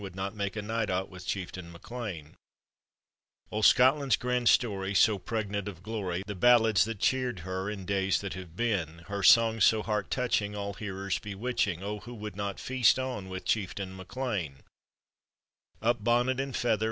Old Scotland's grand story, so pregnant of glory, The ballads that cheered her in days that have been, Her songs so heart touching, all hearers bewitch ing, 0, who would not feast on with Chieftain Mac Lean ! Up, bonnet and feather!